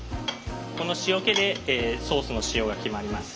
この塩気でソースの塩が決まります。